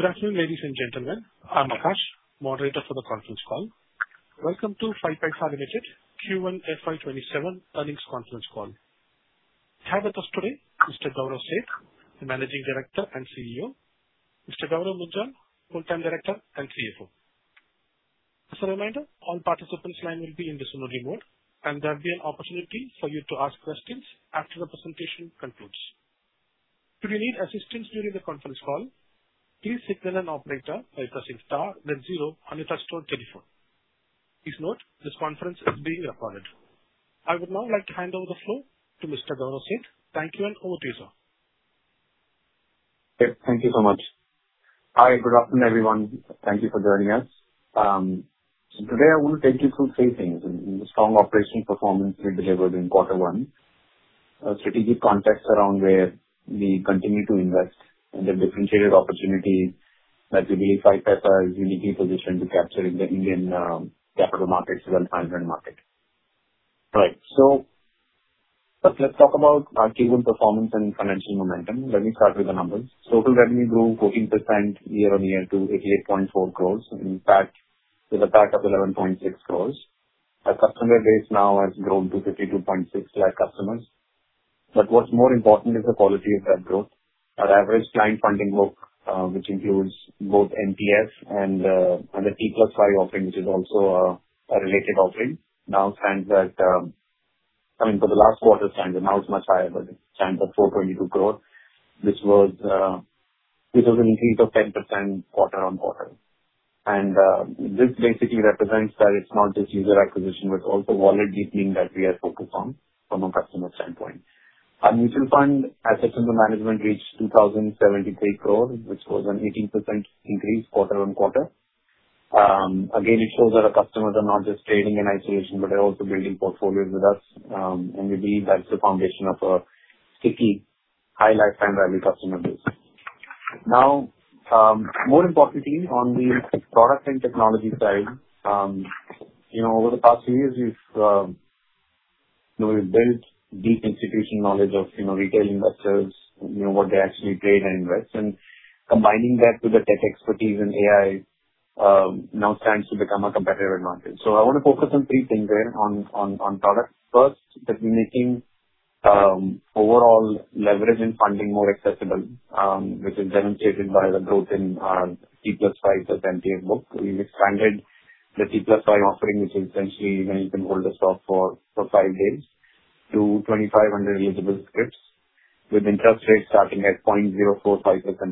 Good afternoon, ladies and gentlemen. I am Akash, Moderator for the conference call. Welcome to 5paisa Limited Q1 FY 2027 earnings conference call. We have with us today Mr. Gaurav Seth, the Managing Director and CEO; Mr. Gourav Munjal, Full-Time Director and CFO. As a reminder, all participants’ line will be in listen-only mode, and there will be an opportunity for you to ask questions after the presentation concludes. Should you need assistance during the conference call, please signal an operator by pressing star then zero on your touch-tone telephone. Please note this conference is being recorded. I would now like to hand over the floor to Mr. Gaurav Seth. Thank you and over to you, sir. Thank you so much. Hi. Good afternoon, everyone. Thank you for joining us. Today I want to take you through three things. The strong operating performance we delivered in quarter one, strategic context around where we continue to invest, and the differentiated opportunities that we believe 5paisa is uniquely positioned to capture in the Indian capital markets and finance market. Right. First, let us talk about our Q1 performance and financial momentum. Let me start with the numbers. Total revenue grew 14% year-on-year to 88.4 crores with a PAT of 11.6 crores. Our customer base now has grown to 52.6 lakh customers. What is more important is the quality of that growth. Our average client funding book which includes both NTS and the T+5 offering, which is also a related offering. I mean, for the last quarter stands at, now it is much higher, but it stands at 422 crores, which was an increase of 10% quarter-on-quarter. This basically represents that it is not just user acquisition, but also wallet deepening that we are focused on from a customer standpoint. Our mutual fund assets under management reached 2,073 crores, which was an 18% increase quarter-on-quarter. Again, it shows that our customers are not just trading in isolation, but they are also building portfolios with us. We believe that is the foundation of a sticky, high lifetime value customer base. More importantly, on the product and technology side, over the past few years, we have built deep institutional knowledge of retail investors, what they actually trade and invest and combining that with the tech expertise in AI, now stands to become a competitive advantage. I want to focus on three things there on product. First is making overall leverage and funding more accessible which is demonstrated by the growth in our T+5 book. We have expanded the T+5 offering, which is essentially when you can hold a stock for five days to 2,500 eligible scripts with interest rates starting at 0.045%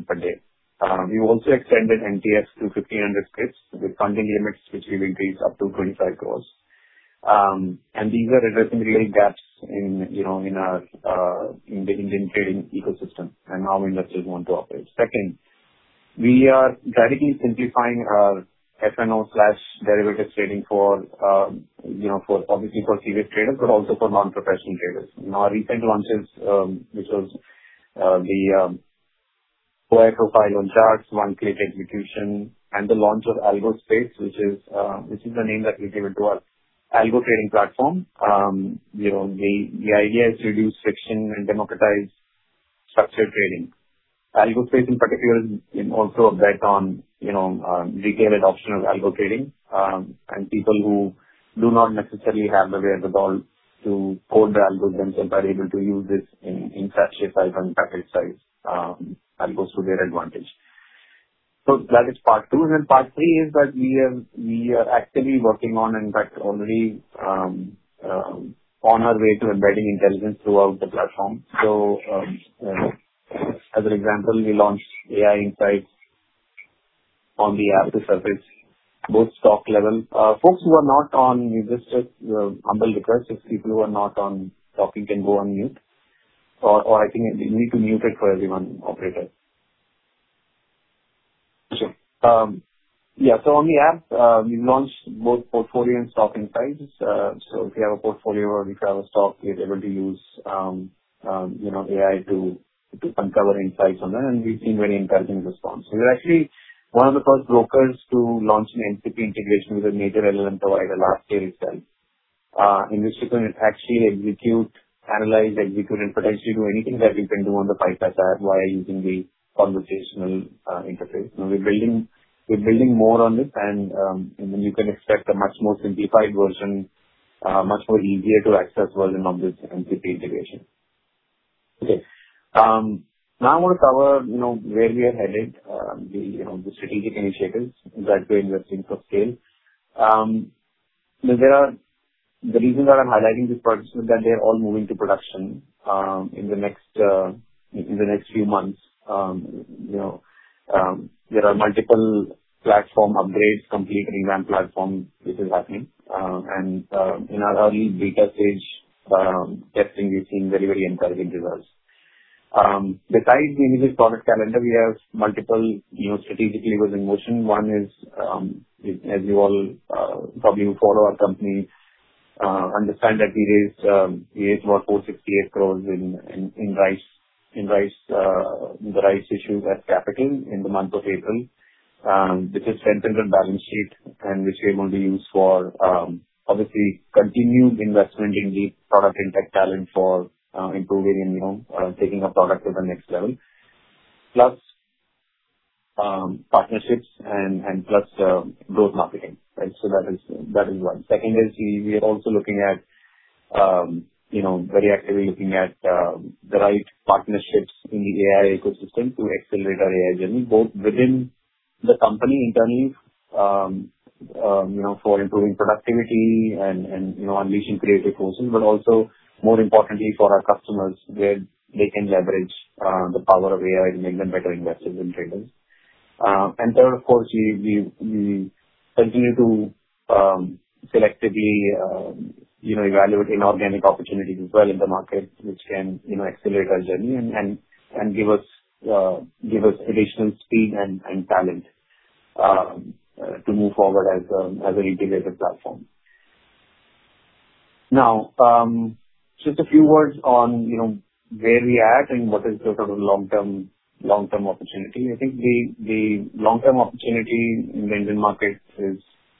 per day. We have also extended NTS to 1,500 scripts with funding limits which we have increased up to 25 crores. These are addressing real gaps in the Indian trading ecosystem and how investors want to operate. Second, we are radically simplifying our F&O/derivative trading obviously for serious traders, but also for non-professional traders. Our recent launches which was the profile on charts, one-click execution, and the launch of AlgoSpace, which is the name that we have given to our algo trading platform. The idea is to reduce friction and democratize structured trading. AlgoSpace in particular is also a bet on retail adoption of algo trading. People who do not necessarily have the wherewithal to code the algorithms themselves are able to use this in structured size and package size algos to their advantage. That is part two. Part three is that we are actively working on, in fact, already on our way to embedding intelligence throughout the platform. As an example, we launched AI insights on the app to surface both stock level. Folks who are not on, a humble request, if people who are not on talking can go on mute, or I think you need to mute it for everyone, operator. Sure. Yeah. On the app, we've launched both portfolio and stock insights. If you have a portfolio or if you have a stock, you're able to use AI to uncover insights on that, and we've seen very encouraging response. We were actually one of the first brokers to launch an MCP integration with a major LLM provider last year itself. Investment can actually execute, analyze, execute, and potentially do anything that you can do on the 5paisa app via using the conversational interface. We're building more on this and you can expect a much more simplified version, much more easier to access version of this MCP integration. I want to cover where we are headed, the strategic initiatives that we're investing for scale. The reason that I'm highlighting these products is that they're all moving to production in the next few months. There are multiple platform upgrades, complete revamp platforms, this is happening. In our early beta stage testing, we've seen very encouraging results. Besides the individual product calendar, we have multiple strategic levers in motion. One is as you all probably who follow our company understand that we raised about 468 crore in the rights issue as capital in the month of April. This has strengthened balance sheet and which we are going to use for obviously continued investment in the product and tech talent for improving and taking our product to the next level, plus partnerships and plus growth marketing. That is one. Second, we are also very actively looking at the right partnerships in the AI ecosystem to accelerate our AI journey, both within the company internally for improving productivity and unleashing creative forces, but also more importantly for our customers where they can leverage the power of AI to make them better investors and traders. Third, of course, we continue to selectively evaluate inorganic opportunities as well in the market, which can accelerate our journey and give us additional speed and talent to move forward as an integrated platform. Just a few words on where we are at and what is the sort of long-term opportunity. I think the long-term opportunity in the Indian market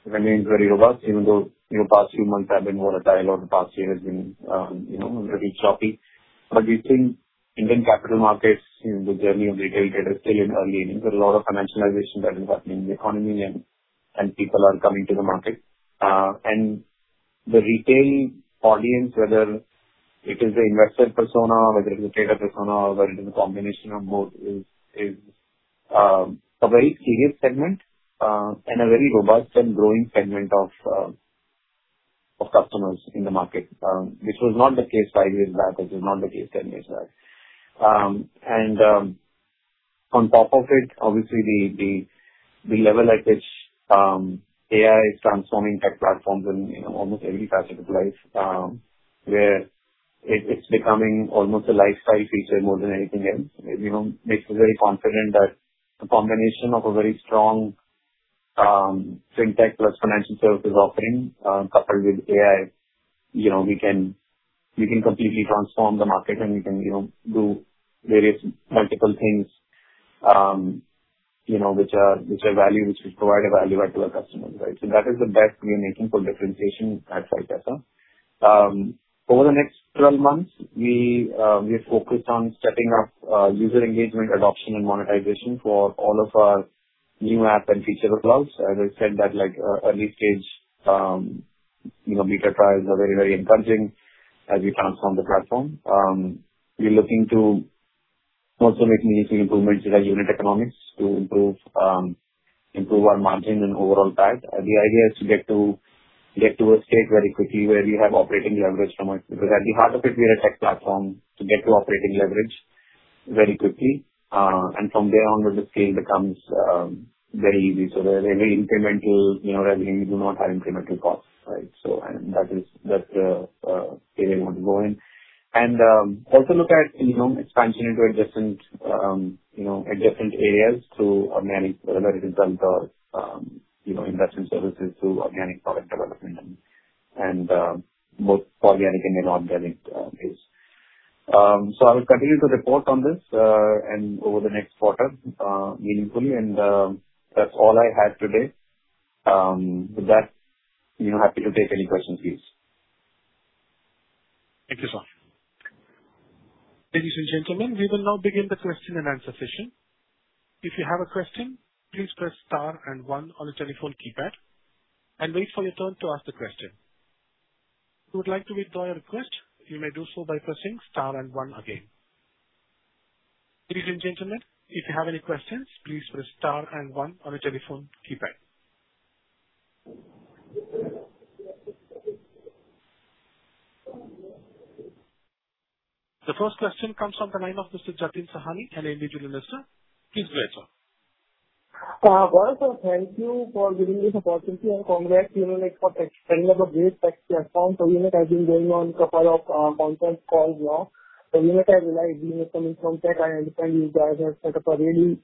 remains very robust even though past few months have been volatile or the past year has been very choppy. We think Indian capital markets, the journey of retail investors is still in early innings. There is a lot of financialization that is happening in the economy and people are coming to the market. The retail audience, whether it is an investor persona, whether it is a trader persona, or whether it is a combination of both, is a very serious segment and a very robust and growing segment of customers in the market. This was not the case five years back, this was not the case 10 years back. On top of it, obviously the level at which AI is transforming tech platforms in almost every facet of life where it is becoming almost a lifestyle feature more than anything else, makes us very confident that the combination of a very strong Fintech Plus financial services offering coupled with AI, we can completely transform the market and we can do various multiple things which provide a value add to our customers. That is the bet we are making for differentiation at 5paisa. Over the next 12 months, we are focused on setting up user engagement, adoption, and monetization for all of our new app and feature uploads. As I said, early-stage beta trials are very encouraging as we transform the platform. We are looking to also make meaningful improvements to our unit economics to improve our margin and overall tag. The idea is to get to a state very quickly where we have operating leverage from it, because at the heart of it, we are a tech platform to get to operating leverage very quickly. From there onward, the scale becomes very easy. We are very incremental, we do not have incremental costs. That is the area we want to go in. Also look at expansion into adjacent areas to organic, whether it is done through investment services, through organic product development, and both organic and inorganic ways. I will continue to report on this over the next quarter meaningfully, and that is all I had today. With that, happy to take any questions, please. Thank you, sir. Ladies and gentlemen, we will now begin the question-and-answer session. If you have a question, please press star and one on the telephone keypad and wait for your turn to ask the question. If you would like to withdraw your request, you may do so by pressing star and one again. Ladies and gentlemen, if you have any questions, please press star and one on your telephone keypad. The first question comes from the name of Mr. Jatin Sahani, an individual investor. Please go ahead, sir. Gaurav sir, thank you for giving this opportunity and congrats for building up a great tech platform. We have been going on a couple of conference calls now. We realize coming from tech, I understand you guys have set up a really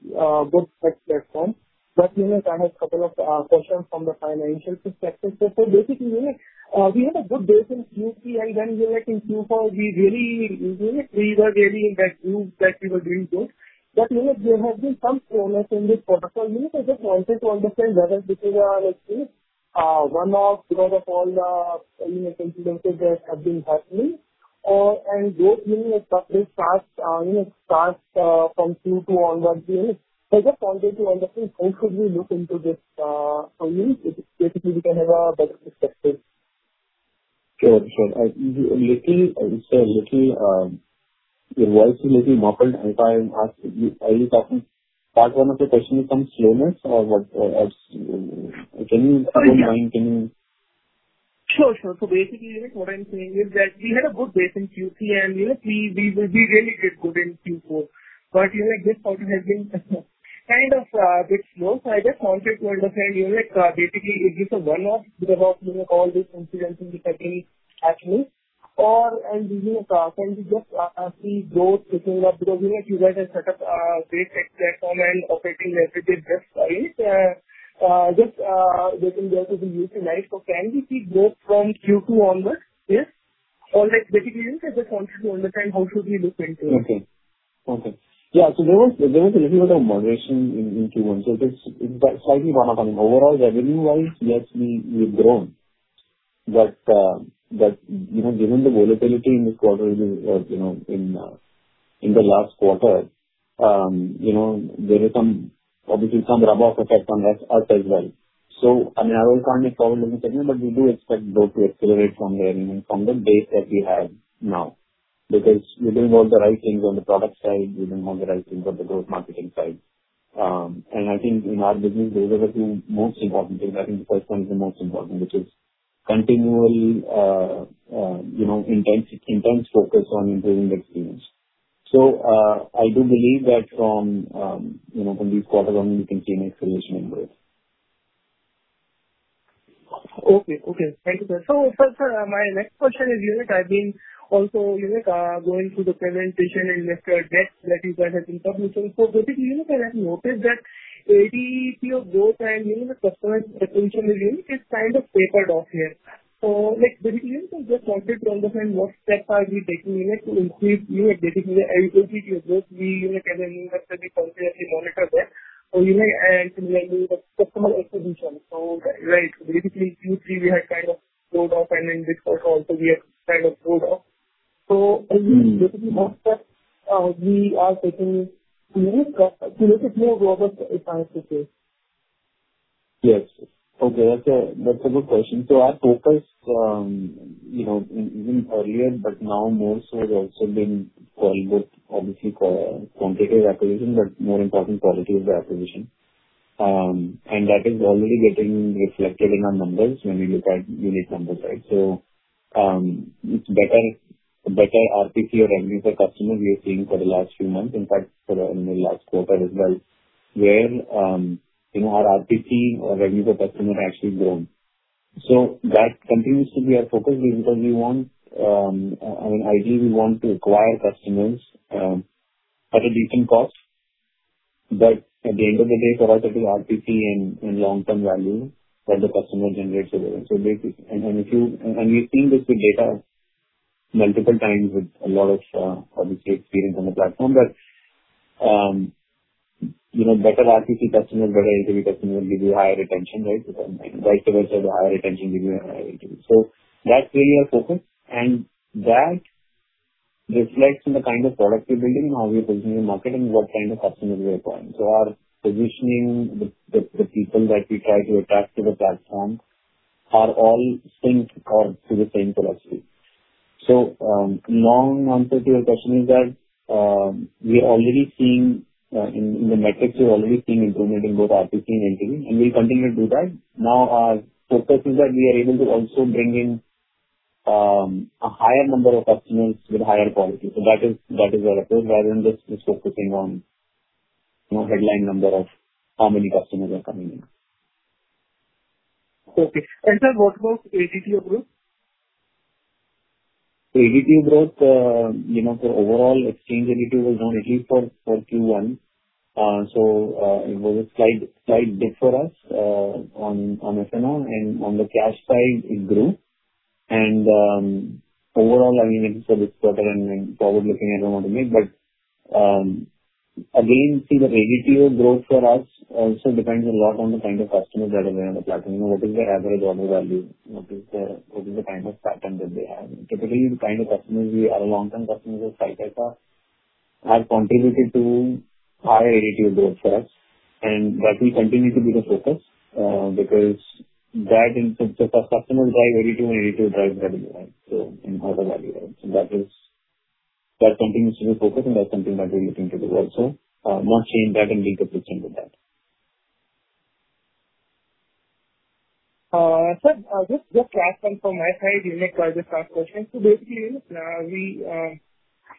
good tech platform. I have a couple of questions from the financial perspective. We had a good base in Q3, and then in Q4 we were really in that groove that we were doing good. There has been some slowness in this quarter. I just wanted to understand whether this is a one-off because of all the incidents that have been happening, and those probably start from Q2 onwards. I just wanted to understand how should we look into this from you so basically we can have a better perspective. Sure. Your voice is a little muffled. Part one of the question is on slowness or what else? If you don't mind, can you- Sure. What I'm saying is that we had a good base in Q3, and we really did good in Q4. This quarter has been kind of a bit slow. I just wanted to understand, basically, is this a one-off because of all these incidents which are happening? Can we just see growth picking up because you guys have set up a great tech platform and operating leverage is just right. This result has been really nice. Can we see growth from Q2 onwards? All right. I just wanted to understand how should we look into it? Okay. Yeah. There was a little bit of moderation in Q1. It's slightly coming. Overall, revenue-wise, yes, we've grown. Given the volatility in the last quarter, there is obviously some rub-off effect on us as well. I mean, I won't comment forward-looking statement, but we do expect growth to accelerate from there and then from the base that we have now. We're doing all the right things on the product side, we're doing all the right things on the growth marketing side. I think in our business, those are the two most important things. I think the first one is the most important, which is continual intense focus on improving the experience. I do believe that from this quarter on, you can see an acceleration in growth. Okay. Thank you, sir. First, my next question is, I've been also going through the presentation and investor deck that you guys have been publishing. I have noticed that ADT of growth and even the customer retention is kind of tapered off here. I just wanted to understand what steps are we taking to increase basically ADT of growth. We as an investor, we constantly monitor that. Similarly, the customer acquisition. Q3 we had kind of slowed off, and in this quarter also we have slowed off. What steps we are taking to look more robust, if I have to say. Yes. Okay. That's a good question. Our focus, even earlier but now more so, has also been quality, obviously quantitative acquisition, but more important, qualitative acquisition. That is already getting reflected in our numbers when we look at unit numbers, right? Better RTC or revenue per customer we've seen for the last few months, in fact, for the last quarter as well, where our RTC or revenue per customer actually grown. That continues to be our focus because ideally, we want to acquire customers at a decent cost, but at the end of the day, for us, it is RTC and long-term value that the customer generates today. We've seen this with data multiple times with a lot of, obviously, experience on the platform that better RTC customers, better LTV customers give you higher retention rates. Vice versa, the higher retention give you a higher LTV. That's really our focus, that reflects in the kind of product we're building, how we are positioning marketing, what kind of customers we are acquiring. Our positioning, the people that we try to attract to the platform are all synced to the same philosophy. Long answer to your question is that in the metrics, we're already seeing improvement in both RTC and LTV, we'll continue to do that. Now our focus is that we are able to also bring in a higher number of customers with higher quality. That is our approach, rather than just focusing on headline number of how many customers are coming in. Okay. Sir, what about ADT growth? ADT growth, the overall exchange ADT was down actually for Q1. It was a slight dip for us on F&O and on the cash side, it grew. Overall, I mean, except this quarter and forward-looking, I don't want to make, see the ADT growth for us also depends a lot on the kind of customers that are there on the platform. What is their average order value? What is the kind of pattern that they have? Typically, the kind of customers, our long-term customers with higher F&O have contributed to higher ADT growth for us. That will continue to be the focus because customers drive ADT and ADT drives revenue and higher value. That continues to be the focus and that's something that we're looking to do also. Not change that and be consistent with that. Sir, just last one from my side. Private last question. Basically,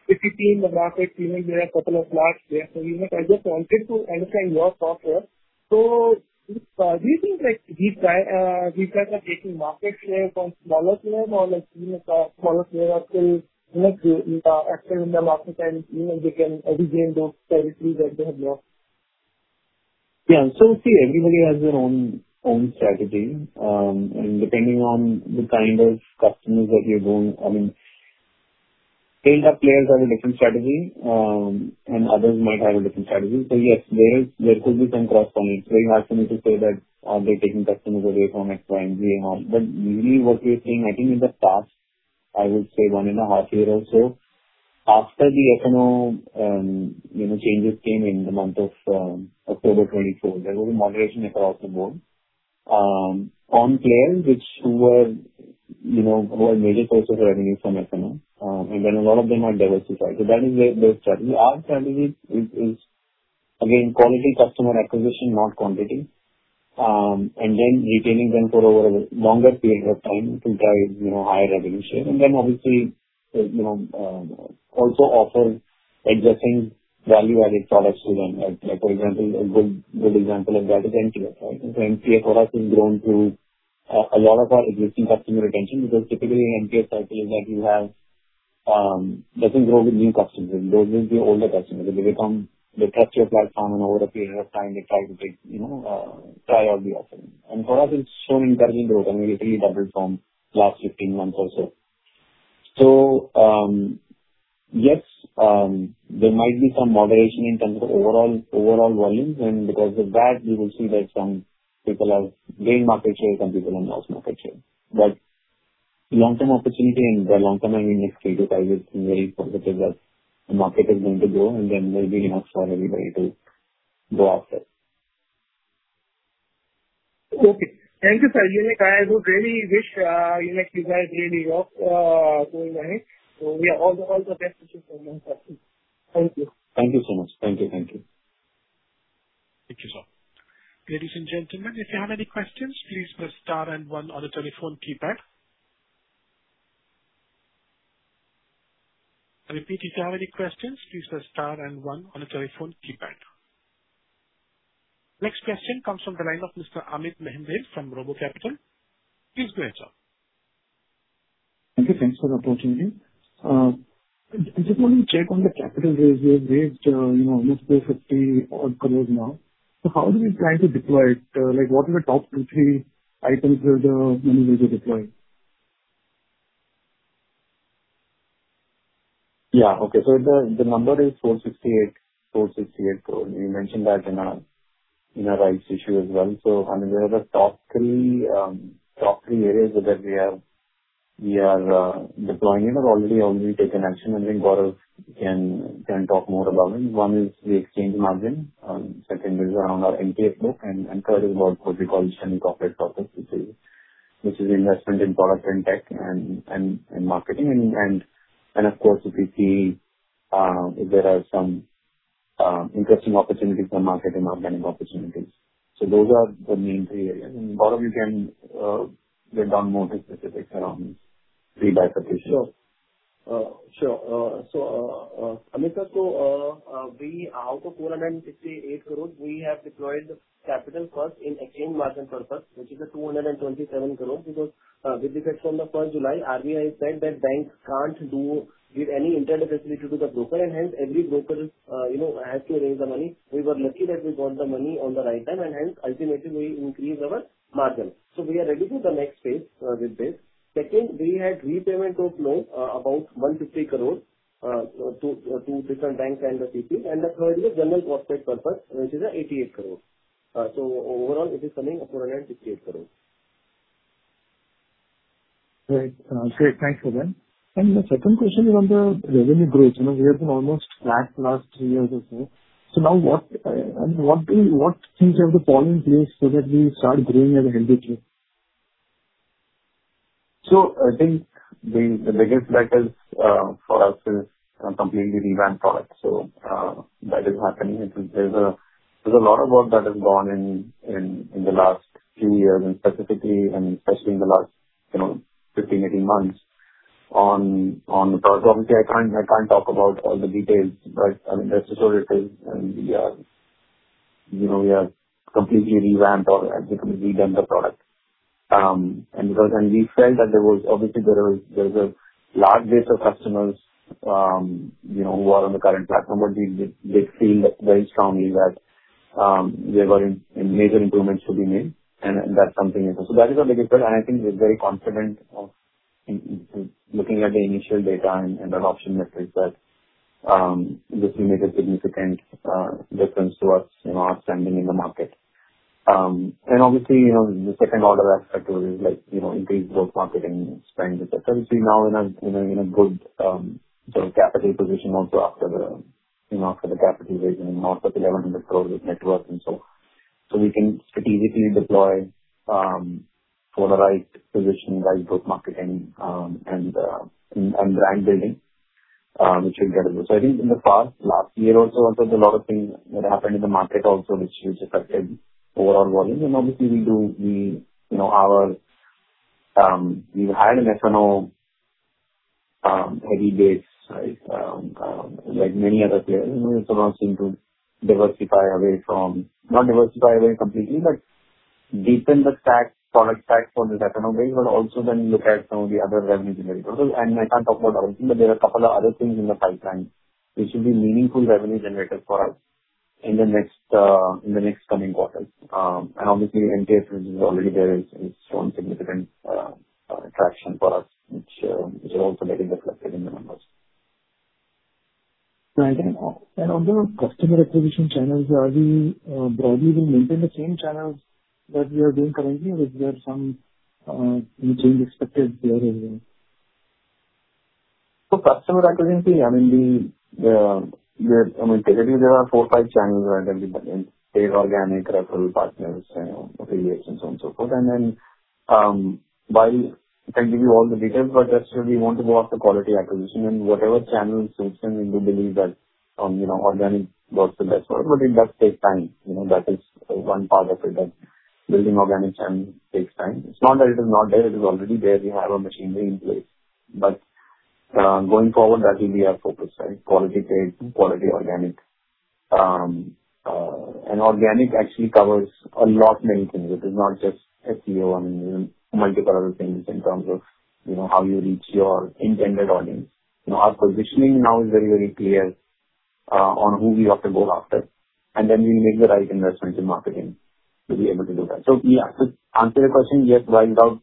5paisa team in the market, we have couple of large players. I just wanted to understand your software. Do you think we guys are taking market share from smaller players or smaller players are still active in the market and they can regain those territories that they have lost? Yeah. See, everybody has their own strategy. Depending on the kind of customers that I mean, scaled-up players have a different strategy, and others might have a different strategy. Yes, there could be some cross points where you ask me to say that, are they taking customers away from X, Y, and Z? Usually what we're seeing, I think in the past, I would say one and a half year or so, after the F&O changes came in the month of October 2024, there was a moderation across the board on players who were major sources of revenue from F&O. A lot of them are diversified. That is their strategy. Our strategy is, again, quality customer acquisition, not quantity. Retaining them for over a longer period of time to drive higher revenue share. Obviously, also offer existing value-added products to them. A good example of that is MF. MF for us has grown through a lot of our existing customer retention because typically in MF cycle is that it doesn't grow with new customers, it grows with the older customers. They touch your platform and over a period of time they try out the offering. For us, it's shown encouraging growth and we really doubled from last 15 months also. Yes, there might be some moderation in terms of overall volumes, and because of that, we will see that some people have gained market share, some people have lost market share. Long-term opportunity and the long-term, I mean next three to five years is very positive that the market is going to grow and there will be enough for everybody to go after. Okay. Thank you, sir. I would really wish you guys really well going ahead. All the best. Thank you. Thank you so much. Thank you. Thank you, sir. Ladies and gentlemen, if you have any questions, please press star and one on the telephone keypad. I repeat, if you have any questions, please press star and one on the telephone keypad. Next question comes from the line of Mr. Amit Mehendale from RoboCapital. Please go ahead, sir. Okay. Thanks for the opportunity. I just want to check on the capital raise. You have raised almost 250 odd crores now. How do we plan to deploy it? What are the top two, three items where the money will be deployed? Okay. The number is 468 crores. We mentioned that in our rights issue as well. There are the top three areas that we are deploying it or already taken action. Gourav can talk more about it. One is the exchange margin, second is around our NPS book, and third is what we call general corporate purpose, which is investment in product and tech and marketing. Of course, if we see if there are some interesting opportunities in the market and organic opportunities. Those are the main three areas. Gourav, you can get down more to specifics around pre-back position. Sure. Amit Sir, out of 468 crores we have deployed capital first in exchange margin purpose, which is 227 crores because with effect from the 1st July, RBI said that banks can't do any interest facility to the broker, hence every broker has to raise the money. We were lucky that we got the money on the right time, hence ultimately we increased our margin. We are ready for the next phase with this. Second, we had repayment of loans about 150 crores to different banks and the CPs. The third is general corporate purpose, which is 88 crores. Overall, it is coming up to 268 crores. Great. Thanks for that. The second question is on the revenue growth. We have been almost flat last three years or so. Now what things you have to fall in place so that we start growing at a healthy pace? I think the biggest bet is for us is completely revamped product. That is happening. There's a lot of work that has gone in the last few years and specifically, especially in the last 15, 18 months on the product. Obviously, I can't talk about all the details, but that's the story and we have completely revamped or completely redone the product. Because when we felt that there was obviously a large base of customers who are on the current platform, but they feel very strongly that there were major improvements to be made and that's something. That is the biggest bet and I think we're very confident of looking at the initial data and adoption metrics that this will make a significant difference to us, our standing in the market. Obviously, the second-order effect will increase both marketing spends, et cetera. Now we're in a good capital position after the capital raising north of 1,100 crore with net worth and so forth. We can strategically deploy for the right position, right book marketing and brand building which will get a boost. I think in the past, last year also there was a lot of things that happened in the market also which affected overall volume, and obviously we had an F&O heavy base. Like many other players, we also want to not diversify away completely, but deepen the stack, product stack for this F&O base, but also then look at some of the other revenue generators. I can't talk about everything, but there are a couple of other things in the pipeline which should be meaningful revenue generators for us in the next coming quarters. Obviously NPS which is already there has shown significant traction for us, which is also getting reflected in the numbers. Right. On the customer acquisition channels, are we broadly will maintain the same channels that we are doing currently, or is there some change expected there as well? Customer acquisition, I mean, currently there are four or five channels running organic, referral partners, and affiliates and so on so forth. I can give you all the details, but rest sure we want to go after quality acquisition and whatever channels fits in, we do believe that organic works the best, but it does take time. That is one part of it, that building organic channels takes time. It's not that it is not there, it is already there. We have a machinery in place. Going forward, that will be our focus. Quality paid, quality organic. Organic actually covers a lot many things. It is not just SEO. I mean, multiple other things in terms of how you reach your intended audience. Our positioning now is very clear on who we have to go after. We make the right investments in marketing to be able to do that. Yeah, to answer your question, yes, without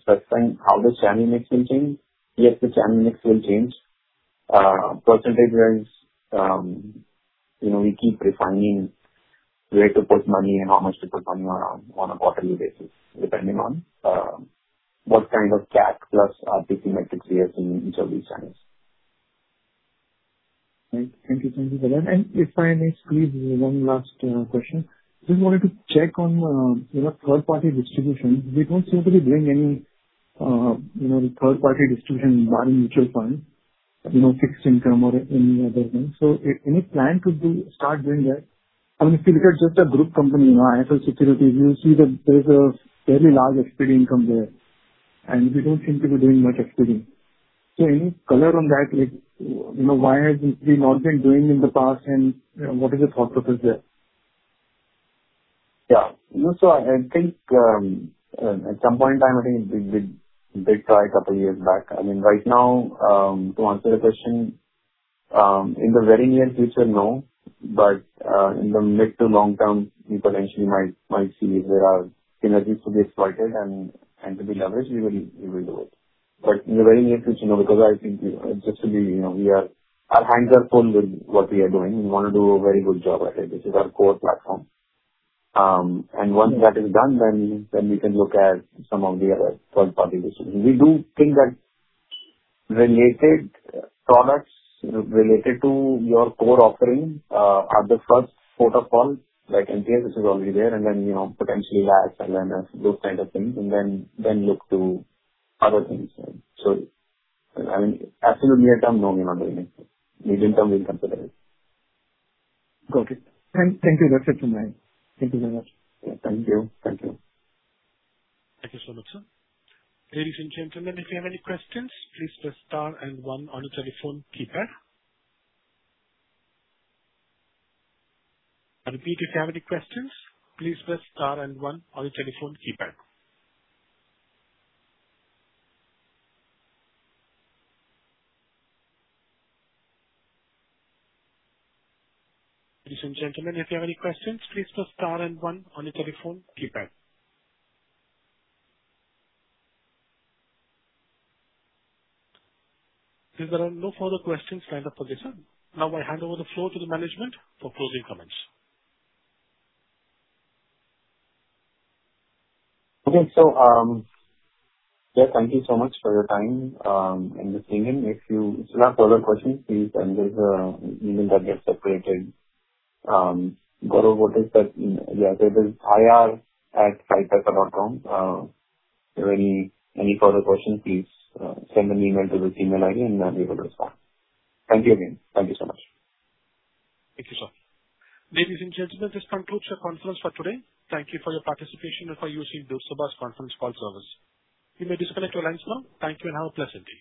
specifying how the channel mix will change. Yes, the channel mix will change. Percentage-wise, we keep refining where to put money and how much to put money on a quarterly basis, depending on what kind of CAC plus ARPC metrics we have in each of these channels. Right. Thank you. If I may squeeze in one last question. Just wanted to check on your third-party distribution. We don't seem to be doing any third-party distribution barring mutual funds, fixed income or any other thing. Any plan to start doing that? I mean, if you look at just a group company, IIFL Securities, you will see that there's a fairly large 3P income there. We don't seem to be doing much 3P. Any color on that? Why has this not been doing in the past, and what is the thought process there? Yeah. I think at some point in time, I think we did try a couple years back. Right now, to answer the question, in the very near future, no. In the mid to long term, we potentially might see if there are synergies to be exploited and to be leveraged, we will do it. In the very near future, no, because I think our hands are full with what we are doing. We want to do a very good job at it. This is our core platform. Once that is done, we can look at some of the other third-party decisions. We do think that products related to your core offering are the first port of call, like NPS, which is already there, then potentially LAS and LAMF, those kind of things, then look to other things. I mean, absolutely at term, no, we're not doing it. Midterm, we'll consider it. Got it. Thank you. That's it from my end. Thank you very much. Yeah. Thank you. Thank you so much, sir. Ladies and gentlemen, if you have any questions, please press star and one on your telephone keypad. I repeat, if you have any questions, please press star and one on your telephone keypad. Ladies and gentlemen, if you have any questions, please press star and one on your telephone keypad. Since there are no further questions lined up for this time, now I hand over the floor to the management for closing comments. Okay. Yeah, thank you so much for your time and listening in. If you still have further questions, please send us an email that gets separated. Gourav, what is that email label? ir@5paisa.com. If you have any further questions, please send an email to this email ID, and we will respond. Thank you again. Thank you so much. Thank you, sir. Ladies and gentlemen, this concludes our conference for today. Thank you for your participation and for using Chorus Call's conference call service. You may disconnect your lines now. Thank you and have a pleasant day